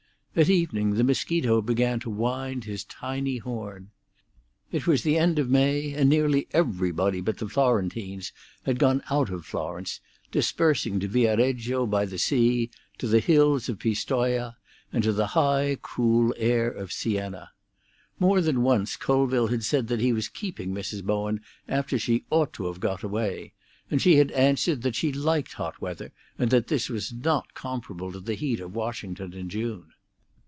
At evening the mosquito began to wind his tiny horn. It was the end of May, and nearly everybody but the Florentines had gone out of Florence, dispersing to Via Reggio by the sea, to the hills of Pistoja, and to the high, cool air of Siena. More than once Colville had said that he was keeping Mrs. Bowen after she ought to have got away, and she had answered that she liked hot weather, and that this was not comparable to the heat of Washington in June.